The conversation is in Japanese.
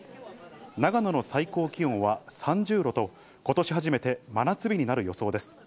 長野の最高気温は３０度と、今年初めて真夏日になる予想です。